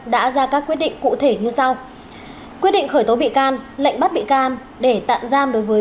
đã ra các quyết định cụ thể như sau quyết định khởi tố bị can lệnh bắt bị can để tạm giam đối với